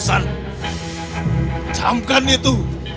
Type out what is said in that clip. suara apa itu